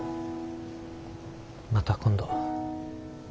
また今度。